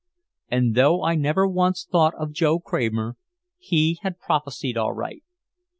And though I never once thought of Joe Kramer, he had prophesied aright.